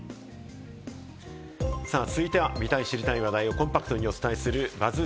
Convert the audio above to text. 続いては、見たい、知りたい話題をコンパクトにお伝えするＢＵＺＺ